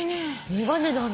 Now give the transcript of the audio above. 眼鏡なんだ。